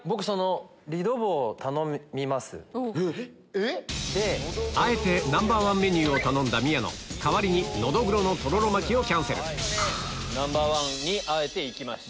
えっ⁉あえてＮｏ．１メニューを頼んだ宮野代わりにノドグロのとろろ巻きをキャンセルＮｏ．１メニューにあえていきました。